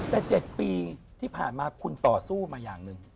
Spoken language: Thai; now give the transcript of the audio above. แต่๗ปีที่ผ่านมาคุณต่อสู้มาอย่างหนึ่ง